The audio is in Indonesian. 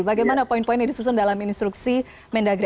bagaimana poin poin yang disusun dalam instruksi mendagri